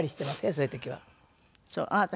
そういう時。